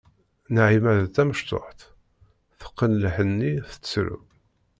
Naɛima d tamecṭuḥt, teqqen lḥenni, tettru.